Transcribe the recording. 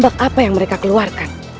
apa yang mereka keluarkan